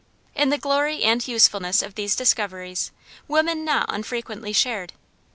In the glory and usefulness of these discoveries woman not unfrequently shared.